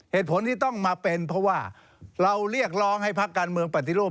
เหตุผลที่ต้องมาเป็นเพราะว่าเราเรียกร้องให้พักการเมืองปฏิรูป